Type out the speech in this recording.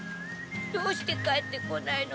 どうして帰って来ないの？